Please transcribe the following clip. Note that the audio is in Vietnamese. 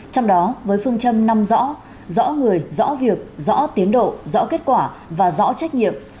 trong đó với phương châm năm rõ rõ người rõ việc rõ tiến độ rõ kết quả và rõ trách nhiệm